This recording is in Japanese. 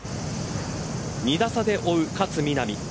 ２打差で追う勝みなみ。